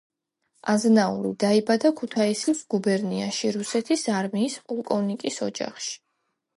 აზნაური; დაიბადა ქუთაისის გუბერნიაში რუსეთის არმიის პოლკოვნიკის ოჯახში.